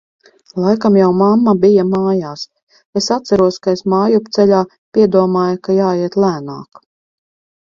Laikam jau mamma bija mājās. es atceros, ka es mājupceļā piedomāju, ka jāiet lēnāk.